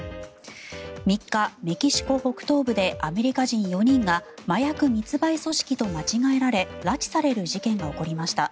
３日、メキシコ北東部でアメリカ人４人が麻薬密売組織と間違えられ拉致される事件が起きました。